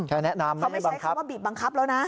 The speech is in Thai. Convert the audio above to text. แนะนำเขาไม่ใช้คำว่าบีบบังคับแล้วนะ